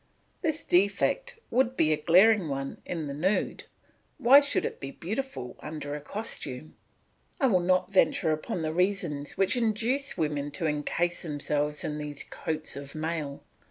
This defect would be a glaring one in the nude; why should it be beautiful under the costume? I will not venture upon the reasons which induce women to incase themselves in these coats of mail.